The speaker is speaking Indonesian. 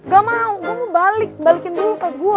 ga mau gue mau balik balikin dulu tas gue